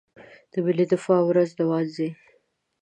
د ملي دفاع ورځ نمانځي.